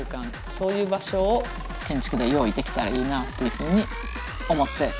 そういう場所を建築で用意できたらいいなっていうふうに思っています。